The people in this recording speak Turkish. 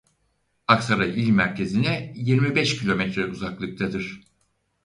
Aksaray il merkezine yirmi beş kilometre uzaklıktadır.